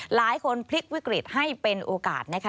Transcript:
หลายคนพลิกวิกฤตให้เป็นโอกาสนะคะ